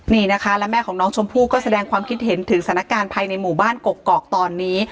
นี่นะคะและแม่ของน้องชมพู่ก็แสดงความคิดเห็นถึงสถานการณ์ภายในหมู่บ้านกกอกตอนนี้